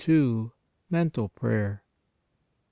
MENTAL PRAYER, i.